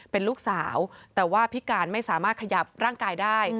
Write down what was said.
เป็นลูกสาวแต่ว่าพิการไม่สามารถขยับร่างกายได้